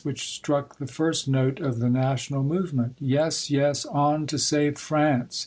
" which struck the first note of the national movement. " Yes, yes !— On to save France